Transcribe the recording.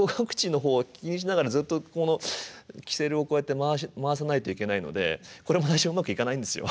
淵の方を気にしながらずっとこのきせるをこうやって回さないといけないのでこれも最初うまくいかないんですよ。